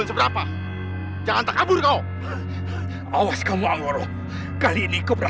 serahkan aku dulu baru kau bisa memilikinya